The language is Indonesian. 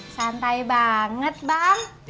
santai banget bang